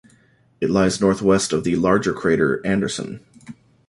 It lies to the northwest of the larger crater Anderson.